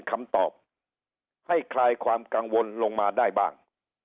คำตอบให้คลายความกังวลลงมาได้บ้าง